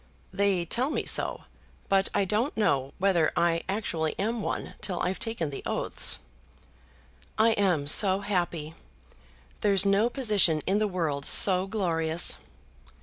"They tell me so, but I don't know whether I actually am one till I've taken the oaths." "I am so happy. There's no position in the world so glorious!"